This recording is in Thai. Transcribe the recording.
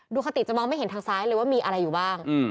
คติจะมองไม่เห็นทางซ้ายเลยว่ามีอะไรอยู่บ้าง